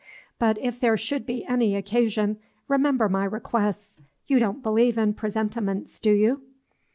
But if there should be any occasion, remember my requests. You don't believe in presentiments, do you?"